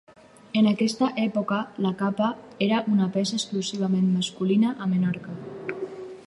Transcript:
En aquesta època la capa era una peça exclusivament masculina a Menorca.